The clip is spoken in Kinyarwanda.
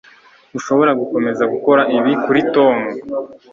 ntushobora gukomeza gukora ibi kuri tom